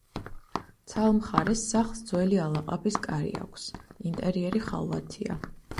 ცალ მხარეს სახლს ძველი ალაყაფის კარი აქვს, ინტერიერი ხალვათია.